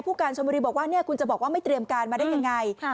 ผู้การชมรีบอกว่าคุณจะบอกว่าไม่เตรียมการมาได้อย่างไร